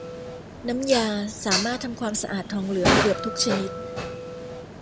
น้ำยาสามารถทำความสะอาดทองเหลืองเกือบทุกชนิด